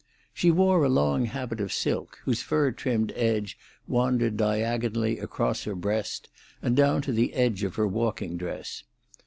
She wore a long habit of silk, whose fur trimmed edge wandered diagonally across her breast and down to the edge of her walking dress.